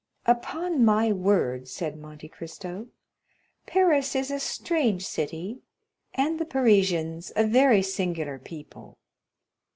"Upon my word," said Monte Cristo, "Paris is a strange city, and the Parisians a very singular people.